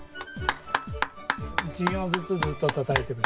１行ずつずっとたたいてくの。